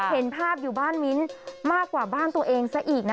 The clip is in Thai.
เห็นภาพอยู่บ้านมิ้นมากกว่าบ้านตัวเองซะอีกนะ